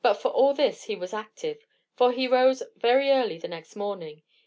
But for all this he was active, for he rose very early the next morning.